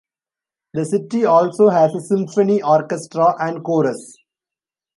The city also has a symphony orchestra and chorus.